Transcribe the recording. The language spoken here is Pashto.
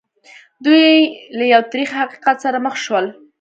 دوی له یو تریخ حقیقت سره مخ شول